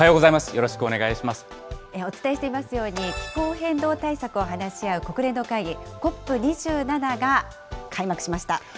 よろしお伝えしていますように、気候変動対策を話し合う国連の会議、ＣＯＰ２７が開幕しました。